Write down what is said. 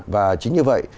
và chính như vậy